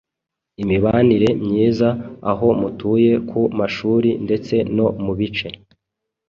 imibanire myiza aho mutuye, ku mashuri ndetse no mu bice